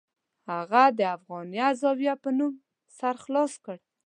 هغه د افغانیه زاویه په نوم سر خلاص کړ.